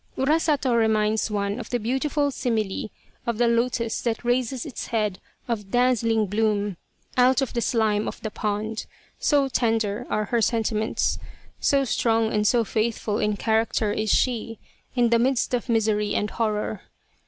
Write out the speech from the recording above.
Urasato reminds one of the beauti ful simile of the lotus that raises its head of dazzling bloom out of the slime of the pond so tender are her sentiments, so strong and so faithful in character is she, in the midst of misery and horror.